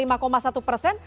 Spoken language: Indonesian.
sekarang lima satu persen